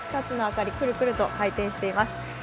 ２つの明かり、くるくると回転しています。